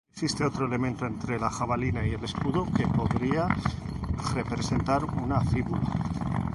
Existe otro elemento entre la jabalina y el escudo que podría representar una fíbula.